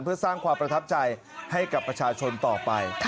เพื่อสร้างความประทับใจให้กับประชาชนต่อไป